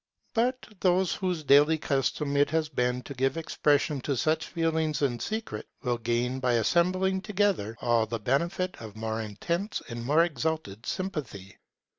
But those whose daily custom it has been to give expression to such feelings in secret, will gain, by assembling together, all the benefit of more intense and more exalted sympathy.